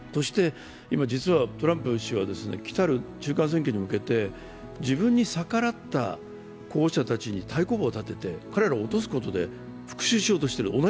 今、実はトランプ氏は来る中間選挙に向けて自分に逆らった候補者たちに対抗馬を立てて彼らを落とすことで復しゅうしようとしてる。